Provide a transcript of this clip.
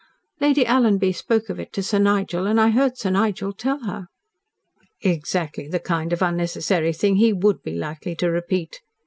"Lady Alanby spoke of it to Sir Nigel, and I heard Sir Nigel tell her." "Exactly the kind of unnecessary thing he would be likely to repeat."